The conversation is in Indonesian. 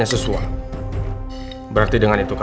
aku tidak perlu menyentuhmu